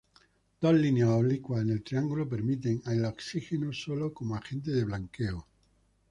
Dos líneas oblicuas en el triángulo permiten el oxígeno sólo como agente de blanqueo.